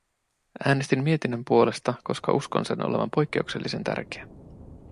Äänestin mietinnön puolesta, koska uskon sen olevan poikkeuksellisen tärkeä.